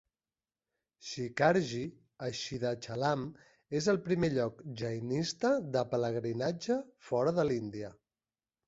Shikharji a Siddhachalam és el primer lloc jainista de pelegrinatge fora de l'Índia.